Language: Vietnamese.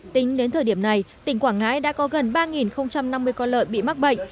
tính đến thời điểm này tỉnh quảng ngãi đã có gần ba năm mươi con lợn bị mắc bệnh